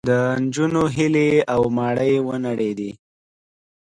د نجونو هیلې او ماڼۍ ونړېدې